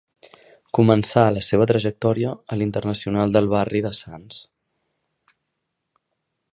Començà la seva trajectòria a l'Internacional del barri de Sants.